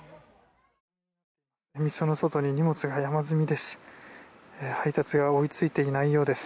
店の外に荷物が山積みです。